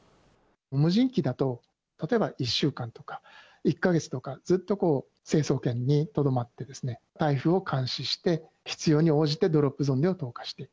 無人機だと、例えば１週間とか、１か月とか、ずっとこう、成層圏にとどまってですね、台風を監視して、必要に応じてドロップゾンデを投下していく。